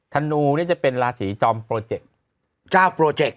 ธนูเนี่ยจะเป็นราศีจอมโปรเจกต์